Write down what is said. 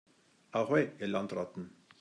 Ahoi, ihr Landratten!